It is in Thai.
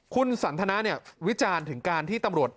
คุณสันทนาเนี่ยวิจารณ์ถึงการที่ตำรวจ